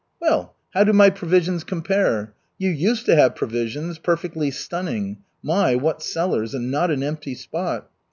"Well, how do my provisions compare? You used to have provisions perfectly stunning! My, what cellars! And not an empty spot!"